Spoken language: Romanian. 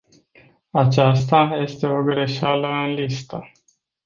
Aceasta este o greșeală în listă.